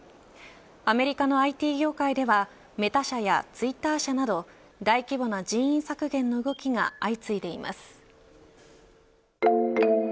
アメリカのＩＴ業界ではメタ社やツイッター社など大規模な人員削減の動きが相次いでいます。